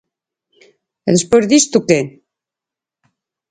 E despois disto, que?